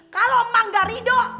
kalau emak gak ridho